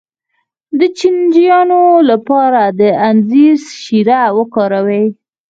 د چینجیانو لپاره د انځر شیره وکاروئ